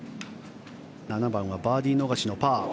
７番はバーディー逃しのパー。